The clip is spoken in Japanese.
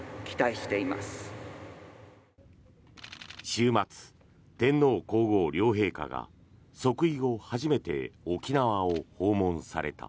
週末、天皇・皇后両陛下が即位後初めて沖縄を訪問された。